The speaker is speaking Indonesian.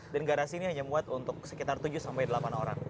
dan garasi ini hanya muat untuk sekitar tujuh delapan orang